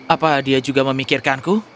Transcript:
apa dia juga memikirkanku